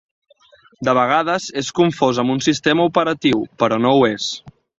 De vegades és confós amb un sistema operatiu, però no ho és.